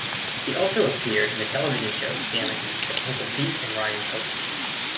He also appeared in the television shows "Damages" as Uncle Pete and "Ryan's Hope".